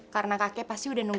karena kakek pasti sudah nunggu